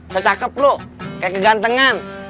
secakep lo kayak kegantengan